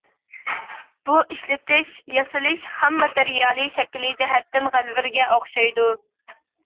بۇ ئىشلىتىش، ياسىلىش، خام ماتېرىيالى، شەكلى جەھەتتىن غەلۋىرگە ئوخشايدۇ.